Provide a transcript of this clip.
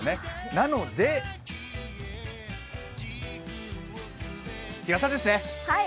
なので日傘ですね。